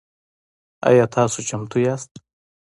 آیا تاسو چمتو یاست؟